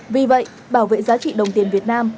vì vậy bảo vệ giá trị đồng tiền việt nam